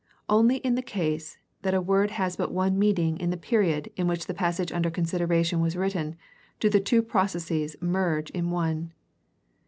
Only in the case that a word had but one meaning in the period in which the passage under consideration was written do the two processes merge in one.